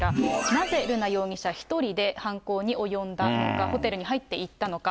なぜ瑠奈容疑者１人で犯行に及んだのか、ホテルに入っていったのか。